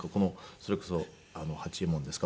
それこそ八右衛門ですか。